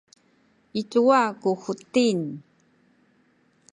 i cuwa ku Huting?